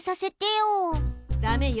ダメよ